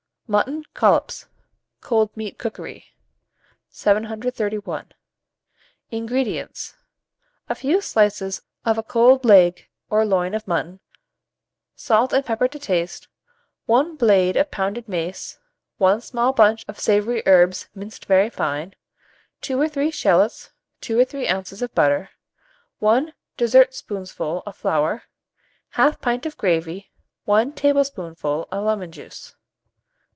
MUTTON COLLOPS (Cold Meat Cookery). 731. INGREDIENTS. A few slices of a cold leg or loin of mutton, salt and pepper to taste, 1 blade of pounded mace, 1 small bunch of savoury herbs minced very fine, 2 or 3 shalots, 2 or 3 oz. of butter, 1 dessertspoonful of flour, 1/2 pint of gravy, 1 tablespoonful of lemon juice.